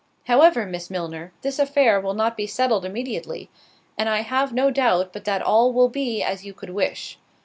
However, Miss Milner, this affair will not be settled immediately, and I have no doubt, but that all will be as you could wish.